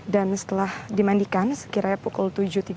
dan setelah dimandikan sekiranya pukul tujuh tiga puluh